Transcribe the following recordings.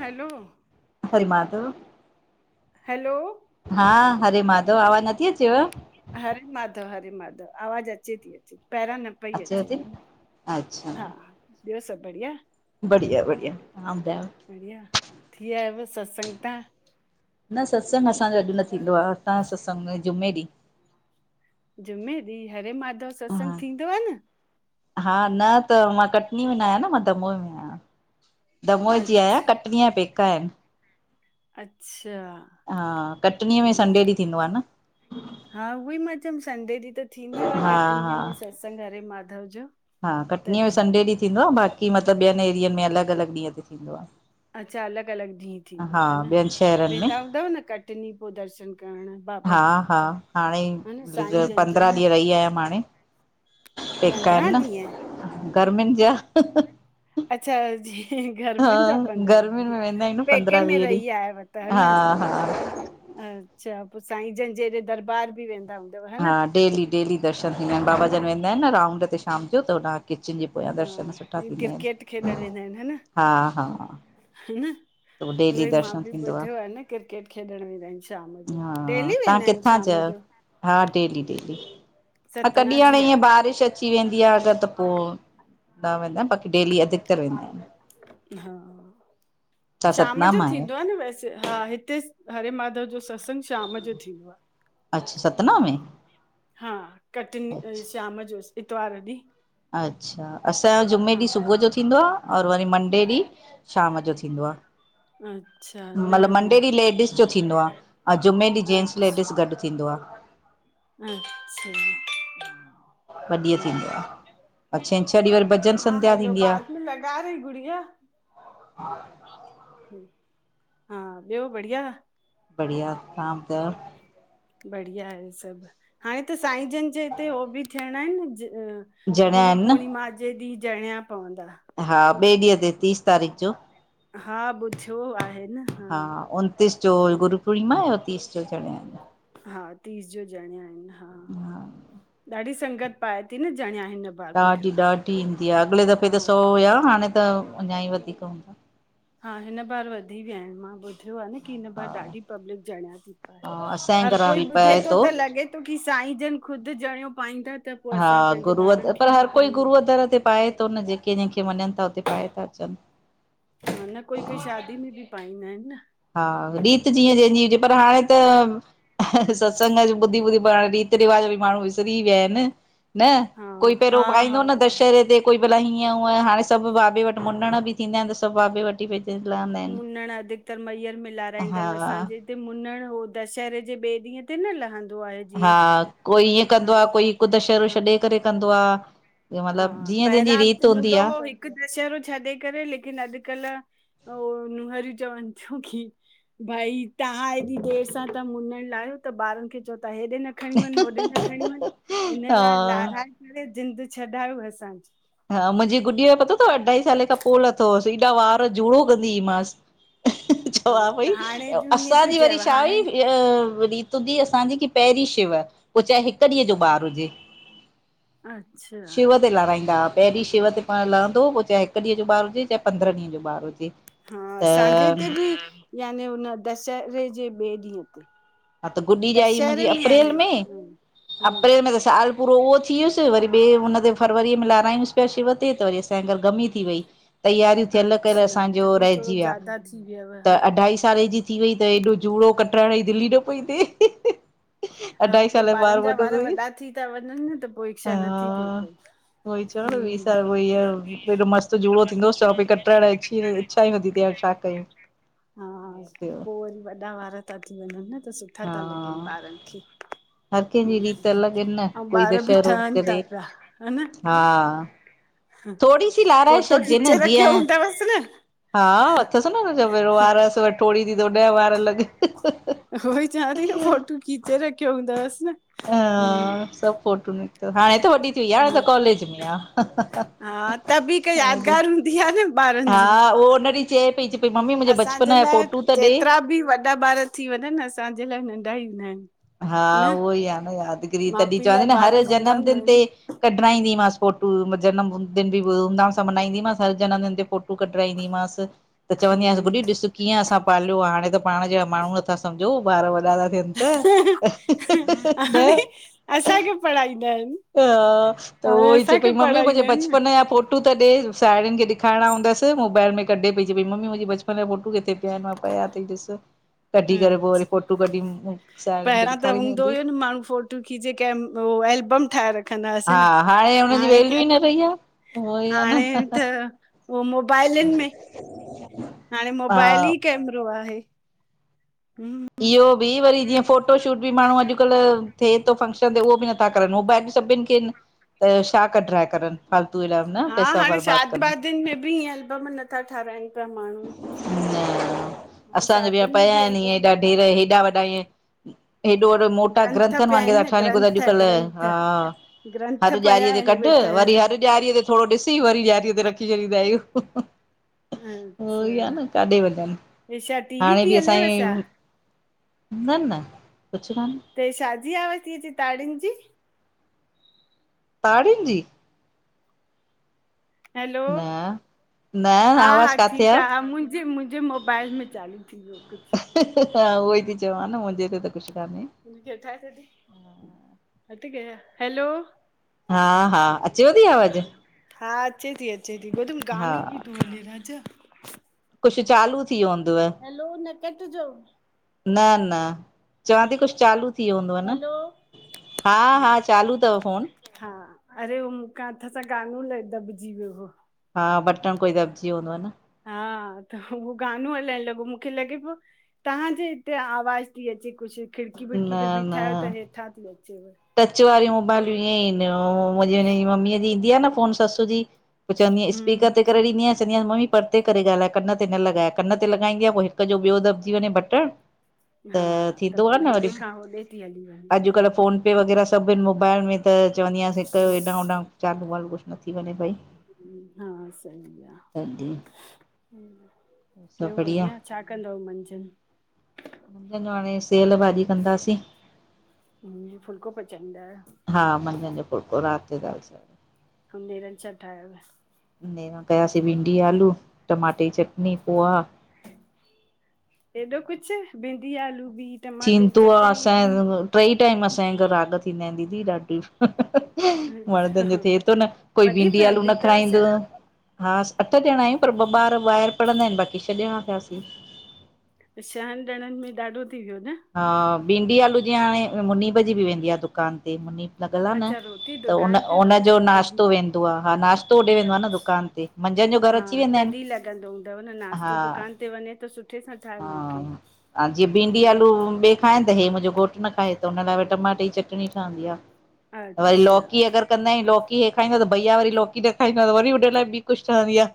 Hello Hare Madhav, hello हा हरे माधव, आवाज नथी अचेव? हरे माधव हरे माधव आवाज़ अचे ती, पहिरां न पई अचेव अचे थी अच्छा हा, ॿियो सभु बढ़िया? बढ़िया- बढ़िया तां ॿुधायो? बढ़िया, थी आयव सत्संग ता? न सत्संग असांजो अॼु न थींदो आ, हितांजो सत्संग में जुमे ॾींहुं जुमे ॾींहुं, हरे माधव सत्संग हा थींदो आ न? हा, न त मां कटनी में न आयां न मां दमोई में आहियां। दमोह जी आयां, अच्छा कटनीअ जा पेका आहिनि। अच्छा। हा, कटनीअ में ईअं संडे ॾीहं थींदो आ न। हा उहो ई मां चयमि संडे ॾींहुं त थींदो आ हा हा कटनीअ में सत्संग हरे माधव जो। हा कटनीअ में तॾहिं संडे ॾींहुं थींदो आ बाक़ी मतिलबु ॿियनि एरियनि में अलॻि -अलॻि ॾींहं ते थींदो आ। अच्छा, अलॻि -अलॻि जी। ठीक आ न, ॿियनि शहरनि में वेंदा हूंदव न कटनी पो दर्शन करण बाबा? हा हा न साईं हाणे जन जो पंद्रहं ॾींह ते रही आयमि हाणे, पेका आहिनि पंद्रहं ॾींहं न गर्मियुनि जा अच्छा जी। हा गर्मियुनि जा पंद्रहं गर्मियुनि ॾींहं, में वेंदा आहियूं न पेके पंद्रहं में वीह ॾींहं रही आयव त हा न? हा अच्छा पो साईं जन जे हेॾे दरबार बि वेंदा हूंद हा डेली डेली दर्शन थींदा आहिनि, बाबा जन वेंदा आहिनि न राउंड ते शाम जो त हुॾां किचन जे पोयां हा दर्शन सुठा इहे थींदा क्रिकेट खेॾण आहिनि। हा- हा। हिन न [inaudible] त डेली उहोई मां दर्शन बि थींदो ॿुधियो आ आहे न क्रिकेट खेॾण वेंदा आहिनि शाम जो, हा डेली तव्हां वेंदा आहिनि किथां जा शाम आहियो जो? हा, डेली- डेली हा सतना कॾहिं जी हाणे ईअं आहियां बारिश अचे अची वेंदी आ, त त पो, ॾा वेंदम बाक़ी डेली अधिकतर वेंदा हिनि हा, तव्हां शाम सतना जो मां आहियो थींदो आ न वैसे हा हिते, हरे माधव जो सत्संग शाम जो थींदो आ। अच्छा सतना में हा, कटनी ऐ अच्छा शाम जो इतवार ॾींहु अच्छा, असांजो जुमे ॾींहु सुबहु जो थींदो आ और वरी मंडे ॾींहु, शाम जो थींदो आ अच्छा न मतिलबु न मंडे ॾींहु लेडीस जो थींदो आ, अ जुमे ॾींहु जेनट्स लेडीस गॾु थींदो आ। नि सिन् ॿ ॾींहं हुं, थींदो आ ऐं हलो, छंछरु ॾींहुं वरी भॼन हा संध्या हलो थींदी आ बाद में लग प्यारी गुड़िया ह्, हा ॿियो बढ़िया बढ़िया तां ॿुधायो। बढ़िया हे सभु हाणे त साईं जन जे हिते, ओ बि थियणा हिनि ज जणिया गुरू आहिनि न पूर्णिमा जे ॾींहु ॼणिया पांईदा। हा ॿे ॾींहु ते तीस तारीख़ जो हा ॿुधियो आहे न हा हा गुरु पूर्णिमा अ तीस जा ॼणिया आहिनि। हा, तीस जो ॼणिया आहिनि, हा ॾाढी संगत पाए थी, न ॼणिया हिन बार ॿुधियो ॾाढी आहे ॾाढी ईंदी आ, अॻिले दफ़े हा त सौ हुआ, हाणे त अञा ई वधीक हूंदा। हा हिनि बारि वधी विया आहिनि मां ॿु धियो आ, न कि हिन बारि ॾाढी पब्लिक ॼणिया ती पाए, हा हर असांजे घरां कोई बि ॿुधे पए तो थो त लॻे तो की साईं जन ख़ुदि ॼणियो पाईदा त पोइ हा असां पंहिंजे गुरुअ ॿारनि खे पर, बि हर कोई पायूं गुरूअ दर ते पाए तो न जेके जंहिंखे मञनि था, उते पाए था अचनि हे न कोई कोई शादी में बि पाईंदा हिनि न हा रीत जीअं जहिंजी हुजे पर हाणे त, सत्संग ॿुधी ॿुधी पर हाणे रीत रिवाज बि माण्हूं विसरी विया हिनि, न हा कोई पहिरियों हा पाईंदो न हा दशहरे ते कोई भला हीअं हुअं हाणे, सभु बाबे वटि मुंॾण बि थींदा हिनि त सभु बाबे वटि [unintelligible] मुंॾण अधिकतर मंयर में लाराईंदा हिनि हा असांजे ते मुंॾण हो दशहरे जे ॿिए ॾींहु ते न लहंदो आ हा कोई ईअं कंदो आ, कोई हिकु दशहरो हा छॾे करे कंदो आ। जे हा मतिलबु जीअं जहिंजी पहिरां रीति हूंदी हूंदो आ। हो हिकु दशहरो छॾे करे, लेकिन अॼुकल्हु उ नुंहरियूं चवनि थियूं की भई तांहा हेॾी देरि सां तां मुंॾण लाहियो त ॿारनि खे चओ था हेॾे न खणी वञ होॾे न खणी वञ हिन लाइ हा लाराए करे ॼिंद छॾायो असांजी हा मुंजी गुॾीअ जो पतो तव अढाई साले खां पो लाथोओ सी एॾा वार ज़ुड़ो कंदीइमांसि। हा चवां पई त हाणे जूं ईअं तूं असांजी वरी चएव छा हुई हाणे अ रीत हूंदी असांजी की पहिंरी शिव पो चाहे हिकु ॾींहु जो ॿारु हुजे अचछा उते लाराईंदा पहिंरी शिव ते पाण, लहंदो पो चाहे हिकु ॾींहु जो ॿारु हुजे, चाहे पंद्रह ॾींहु जो ॿारु हुजे। हा त सांझे ते बि याने हुन दशहरे जे ॿे ॾींहं ते। हा त गुॾी जाई दशहरे मुंजी में याने अप्रैल में हम्म हम्म, अप्रैल में त सा पूरो उहो थी वियुस वरी बे हुन ते फरवरीअ में लारायूंसि पिया शिव ते वरी तें गर गमी थी वई, तैयारी थियल करे अच्छा असांजो तॾहिं थोरो रहजी विया, ज्यादा थी वियव त हा अढाई साले जी थी वई त एॾो झूड़ो कटराइण ई दिल ई न पई थे। हा पो ॿारनि जा वार वॾा थी था वञनि न त पो इच्छा नथी थे पई। उहई चओ न वी हम्म साल उई आ एॾो मस्तु जूड़ो थींदो च पई कटाइण अची इच्छा ई नथी थे हा छा कई। हा पो वरी वॾा वार था थी वञनि न त सुठा हा ता लॻनि ॿारनि [unintelligible] हर कंहिंजी रीति अलॻि इन न ऐं कोई ॿार बि दशहरो ठहनि था करे, पिया ह न हा। थोड़ी सी लाराए फोटो छॾजे खीचे न जीअं रखियो हूंदवसि न हा अथसि न हुनजो एरो वार असि व टोरी जी वरी ॾह वार अलॻ। उहो चयां ती न फोटू खिचे रखियो हूंदवस न, हा हूं। सभु फोटू निकिता, हाणे त वॾी थी वई आ हाणे त कॉलेज में आ। हा त बि हिकु यादिगार हूंदी आ न ॿारनि जी। आ हो उन ॾी चे पई। पई मम्मी मुंहिंजे बचपन असांजे जा लाइ फोटू त ॾे। जेतिरा बि वॾा ॿार थी वञनि असांजे लाइ नंढा ई हूंदा आहिन। हा उहो ई आ न यादगिरी माउ तॾहिं पीउ चवीं लाइ ती न ॿार हर नंढा हूंदा जनमदिन ते आहिनि। कढाईंदीमासि फोटू म जनमदिन बि धमधाम सां मलाईंदीसांस हर जनमदिन ते फो टू कट्राईंदीमास। त चवंदी हास हम्म गुॾी ॾिस कीअं असां पालियो आ हाणे त पाण जहिड़ा माण्हू नथा सम्झो ॿार वॾा था थियनि त हाणे, न असांखे पढ़ाईंदा आहिन। हा त उहो ई चए पी मम्मी मुंहिंजे आहिनि न। बचपन या फोटो टू त ॾे, साहिड़ुनि खे ॾेखारणा हूंदसि मोबाइल में कॾे पई चए पई मम्मी मुंजे बचपन जा फोटू किथे पिया आहिनि मां पया थी ॾिस। कढी करे पोइ वरी फोटू कढी साहेड़ियुनि खे पहिरां त ॾेखारींदी हूंदो हूंदी ई न माण्हू फो टूं खीचे के उ एल्बम ठाहे रखंदा हासे हा न हुनजी हाणे वैल्यू ई त न रही आ उहो ई आ न हाणे त उह मोबाइलनि में [inaudible] हाणे हा मोबाइल ई कैमरो आहे, हूं। इहो बि वरी जीअं फोटो शूट बि माण्हू अॼुकल्ह थे थो फंक्शन ते उहो बि न छा करनि मोबाइल त सभिनि खे इन त छा कढाए करनि। फालतू इलाव न। हा पैसा हाणे बर्बाद शादी कनि वादीयुनि में बि ईअं अलबम नथा ठाराइनि पिया माण्हू। न हा हाणे शादीन में बि अलबम नथा ठारायन। अ वॾा ईअं हेॾो वॾो मोटा ग्रंथ ग्रंथनि पिया आहिनि वांगुर न ठहनि ग्रंथ अॼुकल्ह ग्रंथ हा। ग्रंथ हर पिया ॾियारीअ ते आहिनि कढ उहे ठहियल वरी हर ॾियारीअ ते थोरो ॾिसी वरी ॾियारीअ ते रखी छॾींदा आयूं। उह ई आ अच्छा न काडे वञनि हे छा टीवी हाणे थी बि हलेव छा असांजी न न, कुझु काने। त हे शादीअ आ आवाज ती अचे ताड़ियुनि जी। ताड़ियुनि जी? हैलो, न न हा हा, आवाज़ काथे ठीकु आ, हा आहे मुंहिंजे मुंहिंजे मोबाइल में चालू थी वियो कुझु। हा उहोई ती चवां न, मुंहिंजे हिते त कुछ कान्हे। हैलो? हा- हा अचेव ती आवाज़ु? हा अचे ती -अचे ती, ॿुधुम हा गानो बि तो हले राजा। कुछ चालू थी वयो हुदवं? न- न चवां ती कुछ चालू थी वयो हुदवं न, हा-हा चालू तवि फ़ोनु। हा, अरे हो मूखां हथु सां गानो दॿजी वियो हो। हा, बटणु कोई दबजी वयो हुदंव न? हा त उहो गानो हलणु लॻो, मूंखे लॻे पियो तव्हांजे हिते आवाज़ु ती अचे कुछ, खिड़की- न विड़की ते बीठा आहियो, त न हेठां ती अचेव। टच वारियूं मोबाइलूं ईअं ई इन्दी, मुंहिंजी हिन जी मम्मीअ जी ईंदी आ न फ़ोनु ससु जी। पोइ चवनि, स्पीकर ते हम्म करे ॾिन्दी आहियांस। चवंदीयां मम्मी परते करे ॻाल्हाए, कनि ते न लॻाए कनि ते लॻाईंदी आ, पोइ हिकु जो ॿियो दॿिजी वञे बटणु। हा, त पोइ हेॾे खां होॾे ती हली वञ अॼुकल्ह फ़ोन पे वग़ैरहा सभु हिनि मोबाइल में त चवंदी आहियांसि, हिकु जो हेॾां- होॾां चालू- वालू कुछ न थी वञे भई। हा सही आ। तॾहिं ॿियो बढ़िया, छा कंदव मझंनि? मझंनि जो हाणे सेअलु भाॼी कंदासीं। फुल्को पचाईंदा आहियों? हा, मझंनि जो फुलको, आहिन राति जो दालि चा अऊं नेरनि छा ठायोव? नेरनि कयासीं भिंडी-आलू, टमाटे जी चटनी, पोहा। हेॾो कुछ भिंडी- आलू बि टमाटे जी थींदो आ, चटणी बि असांजे ट्रई टाईम असांजे घरु राॻ थींदा आहिनि। दीदी ॾाढी मर्दनि जो अच्छा थिए तो न, कोई वॾी भिंडी -आलू फैमिली न अथव छा? खाईंदो। हा, अठ ॼणा आहियूं पर ॿ ॿारि ॿाहिरि पढ़ंदा आहिनि। बाक़ी छह ॼणा थियासीं। त छहनि ॼणनि में ॾाढो थी वियो न? हा, भिंडी-आलू जीअं हाणे मुनिब जी बि वेंदी आ दुकान ते मुनि लॻिल आ न, अच्छा रोटी त दुकान उन- ते उनजो वयव तॾहिं नाश्तो वेंदो आ। हा नाश्तो उॾे वेंदो आ न अच्छा दुकान ते। मंझंदि जो घर हा अची वेंदा आहिनि तॾहिं लॻंदो हूंदव न, नाश्तो हा दुकान ते वञे त सुठ हा जीअं भिंडी- हम्म आलू ॿे खाइनि त हे मुंहिंजो घोटु न खाए, त हुन लाइ टमाटे जी चटणी ठहंदी आ, वरी अच्छा लोकी अगरि कंदा आहियूं लोकी हे खाईंदो त भईया वरी लोकी न खाईंदो आ, त वरी हुन लाइ बि कुछ ठहंदी आ।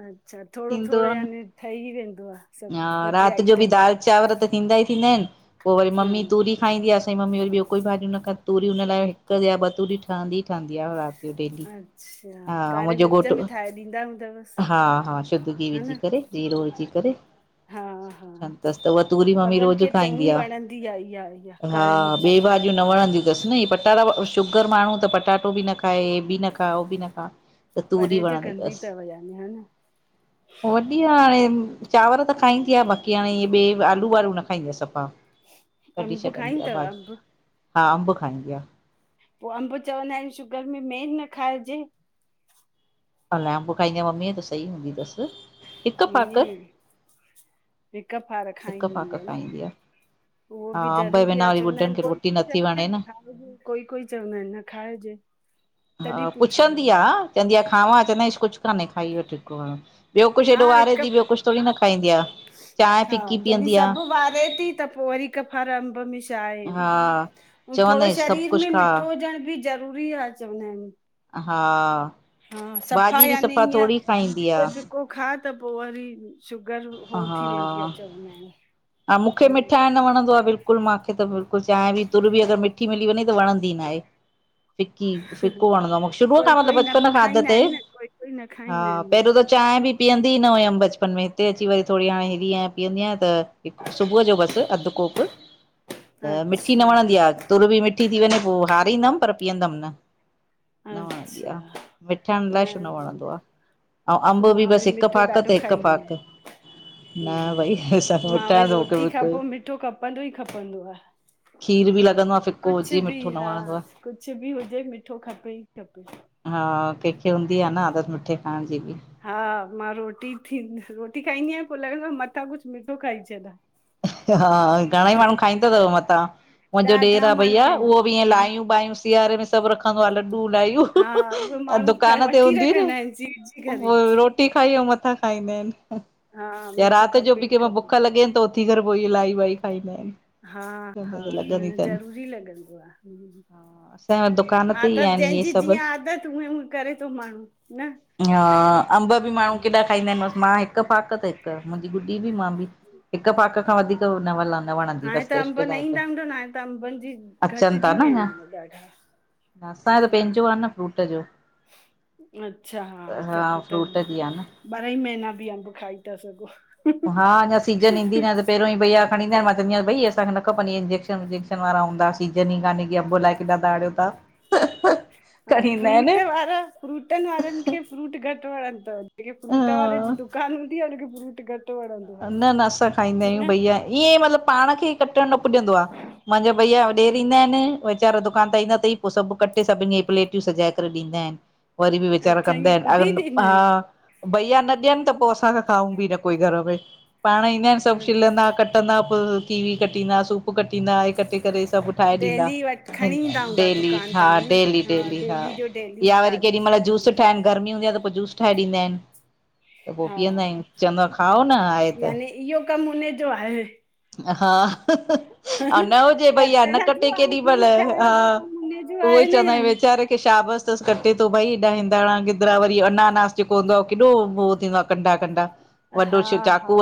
अच्छा, थोड़ो- थींदो थोड़ो आ न यानी ठही वेंदो आ। हा, राति जो बि दालि -चांवर त थींदा ई थींदा आहिनि। पोइ वरी हा मम्मी तूरी खाईंदी आहे असांजी मम्मी वरी ॿियो कोई भाॼी न, तूरी हुन लाइ हिकु या ॿ तूरी ठहंदी ई ठहंदी आ राति डेली अच्छा हा, कारे मुंहिंजो मिर्च घोटु में ठाहे ॾींदा हूंदवसि हा-हा शुद्ध गिहु हा विझी न करे। ज़ीरो विझी करे हा हा सुठी ठंहदी तसि त उहा तूरी मम्मी वॾनि रोज़ खे खाईंदी चङी आ। वणंदी आहे इहा इहा हा कारे मिर्च ॿि वारी भाॼियूं न वणंदी तसि न, ही पटाटा शुगर माण्हूं त पटाटो बि न खाए, हे बि न खा- हो बि न खा। त तूरी परहेज वणंदी कंदी तसि, अथव यानी हा न वॾी हाणे चांवर त खाईंदी आ बाक़ी हाणे, इअं ॿे आलू-वारू न खाईंदी आ सफ़ा। कढी अम्बु छॾंदी खाईंदी आहे तवि भाॼी अम्बु? हा, अम्बु खाईंदी आ। पो अंब चवंदा आहिन शुगर में मेन न खाइजे। अलाए अम्ब खाईंदीअ मम्मीअ त सही हूंदी अथसि हिक पाक। ईअं हिक फार हिकु खाईंदी फाक हूंंदी आ न खाईंदी आहे उहो हा बि अंब जे ज़रूरी बिना आहे वरी चवंदा ॿुढनि आहिन खे कोई रोटी नथी चवंदा वणे आहिन न खाइ कोई कोई चवंदा आहिन न खाइजे हा तॾहिं पुछंदी पुछंदीमांव आ चवंदी आ खाववा चवंदा आ कुछ कान्हे खाई वठ ॿियो कुछ हा ॾो वारे हिक थी ॿियो कुछ थोरी न खाईंदी आ। चांहि हा फिकी जॾहिं पीअंदी आ सब वारे थी त पो वरी हिक फार अम्ब में छाए हा। थोड़ो चवंदासि सभु शरीर कुझु में खा मिठो हुजणं भी ज़रूरी ज़रूरी आ चवंदा आहिन। हा हा सफ़ा भाॼी बि याने इअं थोरी खाईंदी आ। फिको फिको खा त पो वरी शुगर हा हो थी वेंदी आ चवंदा हा मूंखे आहिन। मिठाइण वणंदो आ बिल्कलु बिल्कुल मूंखे त बिल्कुलुांहि बि तुर बि अगरि मिठी मिली वे वंदी नाहे [unintelligible] फिकी फिको वणंदो आहे मूंखे शुरूअ खां कोई मतलब कोई न बचपन खांाध खाईंदा ते आहिनि न कोई कोई न हा खाईंदा आहिनि पहिरियों त मिठो चांहि बि। पीअंदी न हुयमि बचपन में हिते अची वरी थोरी हाणे हिरीं पीअंदी आहियां त सुबुह जो बस अधु कोप त मिठी न वणंदी अच्छा आहे तुर बि मिठी थी वञे पो हारींदमि पर पीअंदमि न न वणंदी आ अच्छा मिठाण अलाइ छो न वणंदो आ। अंव अम्ब बि बस हिक फाक त हिक फाक ह न ह भई असांखे मां वरी मिठाण त मूंखे रोटी खां बिल्कुलु पो मिठो खपंदो ई खपंदो आ। खीर बि लॻंदो आ। फिको कुछ हुजे बि मिठो न हा वणंदो आ कुछ बि हुजे मिठो खपे ई खपे हा कंहिंखे हूंदी आ न आदत मिठे खाइण जी बि हा मां रोटी थींद रोटी खाईंदी आहियां पो लॻदों मथां कुछ मिठो खाई छॾां हा घणे ई माण्हू खाईंदा अथव मथां मुंहिंजो ॾेर ॾाढा आ माण्हू भईया खाईंदा उहो बिअ आहिनि लाययूं बायूं सियारे में सब रखंदो आ लडू हा उहे लायूं माण्हू खाए दुकान ते वठी हूंदी रखंदा आहिनि चीरजी न करे रोटी खाई मथां खाईंदा आहिन हा या मिठो रात जो खपे बि ई कंमेल खपे भुख लॻे त उथी करे पो ई लाई वाई खाईंदा आहिन। हा हा न ज़रूरी लॻंदो आ। असांजे दुकान ते ई आदत आहिनि इहे जंहिंजी सभु जीअं आदत एंं ऊं करे थो माण्हू न अंब बि माण्हू केॾा खाईंदा आहिनि बस मां हिक फाक त हिक मुंहिंजी गुॾी बि मां बि हिक फाक खां वधीक न हलंदो [unintelligible] हाणे त अम्ब न ईंदा हूंदा न हाणे त अम्बनि जी अचनि था घटिजी न विया आहिन अञा हाणे ॾाढा असांजो त पंहिंजो आ न फ्रूट जो अच्छा हा त पो त फ्रूट जी आ न ॿारा ई महीना बि अंब खाई था सघो हा अञा सीजन ईंदी ना ए त पहिरों ई भईया खणी ईंदा मां चवंदी आहियां भई असांखे न खपनि इये इंजेक्शन विंजेक्शन वारा हूंदा सीज़न ई काने की अंब अलाइ किथां ता आड़ियो तां हा फ्रूट वारा फ्रूटनि वारनि खे फ्रूट घटि वणंदो जेके फ्रूट वारे जी दुकान हूंदी आ हुनखे फ्रूट घट न न असां खाईंदा आहियूं भईया ईअं, मतिलबु पाण खे कटण न पुॼंदो आ, मांहिंजा भईया ॾेर हम्म ईंदा आहिनि। वेचारो दुकान ता ईंदा तई, पो सभु कटे सभिनी प्लेटियूं सजाए करे ॾींदा आहिनि। वरी बि वीचारा अच्छा कंदा ईअं इनि, ख़ुदि ई अरन ॾींदा हा। भैया न ॾियनि त पो असां न खाऊं बि न कोई घर में। पाण ईंदा इनि सभु आहिनि छिलंदा कटंदा पो कीवी कटींदा सूप सूफ कटींदा ऐं कटे करे सभु ठाहे ॾींदा, डेली वठ खणी ईंदा हूंदा डेली दुकान हा तां न डेली डेली हा। जो डेली या वरी ताज़ो केॾी महिल जूस ठाहिनि, गर्मी हूंदी त पो जूस ठाहे ॾींदा आहिनि त पो हा पीअंदा आहियूं, चवंदो आ खाओ न आहे त। ईहो कमु हुनजो आहे। हा। अऊं न हुजे भई आ, न कटण जो कटे ऐं केॾी महिल, जूस हा, ठाहिण जो कमु हुनजो उहो आहे ई न चवंदायूं यानी वेचारे खे शाबस तस कटे थो भई हेॾा हिंदाणा गिदिरा वरी अनानास जेको हूंदो आ केॾो हो थींदो आ कंडा कंडा। हा वॾो छो चाकू हा वठु